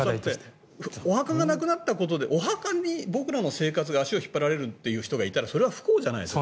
お墓がなくなったことでお墓に僕らの生活が足を引っ張られる人がいたらそれは不幸じゃないですか。